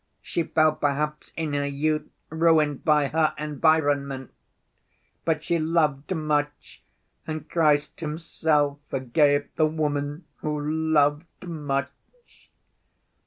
She fell perhaps in her youth, ruined by her environment. But she loved much, and Christ himself forgave the woman 'who loved much.